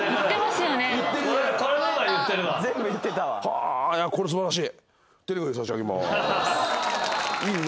はぁこれ素晴らしい。